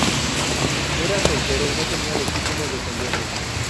Era soltero y no tenía legítimos descendientes.